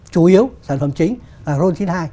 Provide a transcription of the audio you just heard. chủ yếu sản phẩm chính ron chín mươi hai